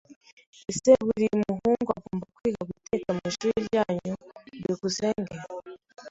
Ese buri muhungu agomba kwiga guteka mwishuri ryanyu? byukusenge